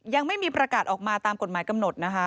ยังไม่มีประกาศออกมาตามกฎหมายกำหนดนะคะ